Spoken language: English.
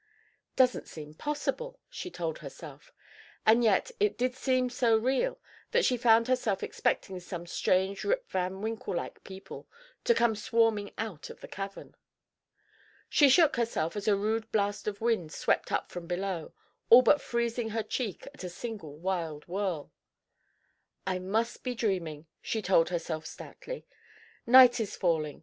"Doesn't seem possible," she told herself. And yet, it did seem so real that she found herself expecting some strange Rip Van Winkle like people to come swarming out of the cavern. She shook herself as a rude blast of wind swept up from below, all but freezing her cheek at a single wild whirl. "I must stop dreaming," she told herself stoutly. "Night is falling.